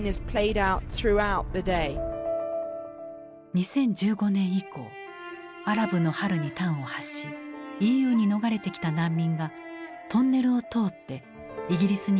２０１５年以降アラブの春に端を発しＥＵに逃れてきた難民がトンネルを通ってイギリスに密入国する事態が頻発した。